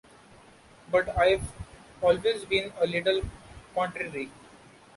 But I've always been a little contrary.